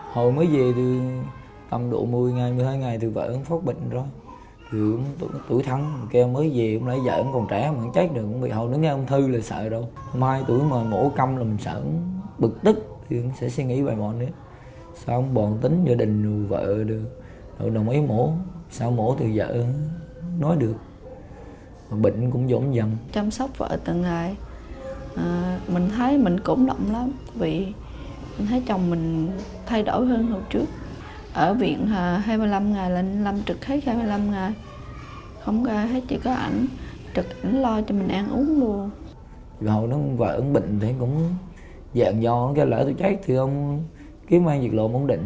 hãy đăng ký kênh để ủng hộ kênh của chúng mình nhé